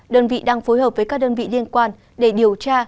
đơn vị đang phối hợp với các đơn vị liên quan để điều tra